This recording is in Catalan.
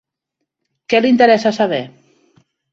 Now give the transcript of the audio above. Que li interessa saber?